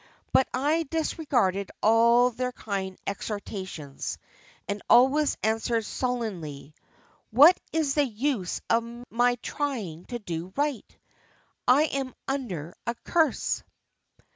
But I disregarded all their kind exhortations, and always answered sullenly, 'What is the use of my trying to do right? I am under a curse.